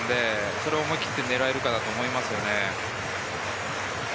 それを思い切って狙えるかどうかだと思います。